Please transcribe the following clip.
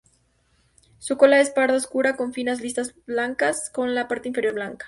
Su cola es parda oscura con finas listas blancas, con la parte inferior blanca.